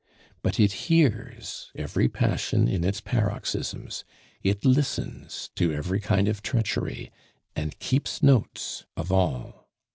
But it hears every passion in its paroxysms, it listens to every kind of treachery, and keeps notes of all.